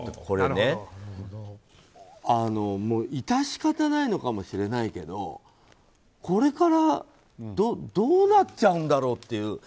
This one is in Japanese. これね、致し方ないのかもしれないけどこれからどうなっちゃうんだろうっていう。